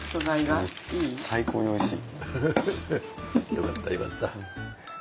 よかったよかった。